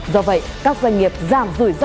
do vậy các doanh nghiệp giảm rủi ro